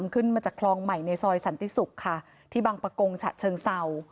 ขึ้นมาจากคลองใหม่ในซอยสันติศุกร์ค่ะที่บังปะกงฉะเชิงเศร้า